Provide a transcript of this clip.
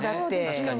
確かに！